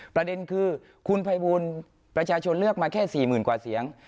ประเด็นคือคุณภัยบูลประชาชนเลือกมาแค่๔๐๐๐กว่าเสียง